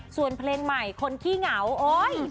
ส่วนเพลงใหม่คนที่เหงาเรียกนี่ให้โห้ย